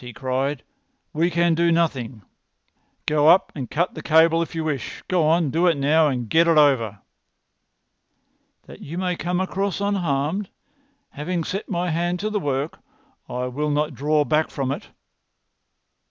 he cried. "We can do nothing. Go up and cut the cable if you wish. Go on—do it now, and get it over!" "That you may come across unharmed. Having set my hand to the work, I will not draw back from it."